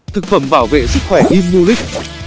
thực phẩm bảo vệ sức khỏe imulit